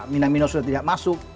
minamino sudah tidak masuk